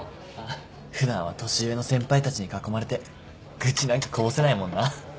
普段は年上の先輩たちに囲まれて愚痴なんかこぼせないもんな。